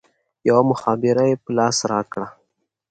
يوه مخابره يې په لاس راکړه.